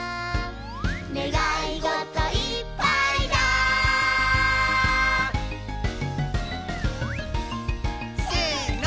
「ねがいごといっぱいだ」せの！